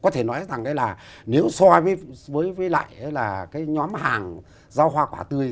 thì nói rằng đấy là nếu so với lại cái nhóm hàng rau hoa quả tươi